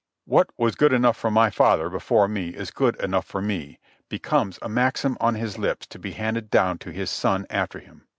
"What was good enough for my father before me is good enough for me" becomes a maxim on his lips to be handed down to his son after him.